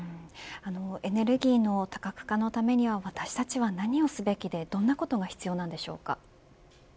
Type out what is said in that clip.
エネルギーの多角化のためには私たちは何をすべきでどんなことが必要でしょうか。